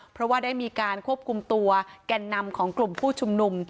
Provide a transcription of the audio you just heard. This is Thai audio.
เพราะว่าได้มีการควบคุมตัวแก่นนำของกลุ่มผู้ชุมนุม